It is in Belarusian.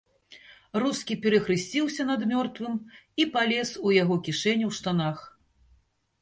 Рускі перахрысціўся над мёртвым і палез у яго кішэню ў штанах.